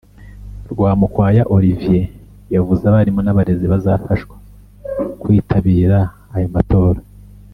Rwamukwaya Olivier yavuze abarimu n’abarezi bazafashwa kwitabira ayo matora